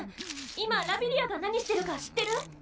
今ラビリアが何してるか知ってる？